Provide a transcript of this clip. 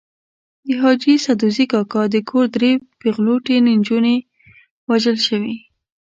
د حاجي سدوزي کاکا د کور درې پېغلوټې نجونې وژل شوې.